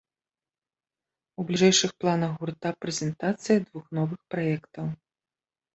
У бліжэйшых планах гурта прэзентацыя двух новых праектаў.